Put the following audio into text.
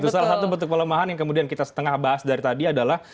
salah satu bentuk pelemahan yang kemudian kita setengah bahas dari tadi adalah